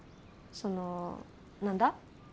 その何だ？